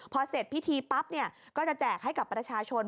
พอเสร็จพิธีปั๊บก็จะแจกให้กับประชาชน